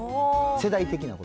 世代的なこと。